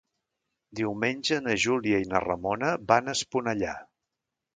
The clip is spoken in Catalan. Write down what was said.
Diumenge na Júlia i na Ramona van a Esponellà.